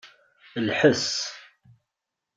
Lḥes.